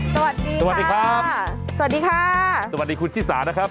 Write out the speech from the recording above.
สวัสดีสวัสดีครับสวัสดีค่ะสวัสดีคุณชิสานะครับ